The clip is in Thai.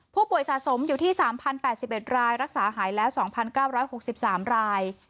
ผู้ป่วยสะสมอยู่ที่สามพันแปดสิบเอ็ดรายรักษาหายแล้วสองพันเก้าร้อยหกสิบสามราย